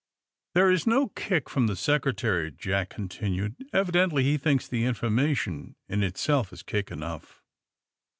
*' There is no kick from the Secretary," Jack continued. *^ Evidently he thinks the informa tion in itself is kick enough."